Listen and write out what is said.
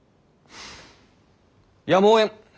やむをえぬ。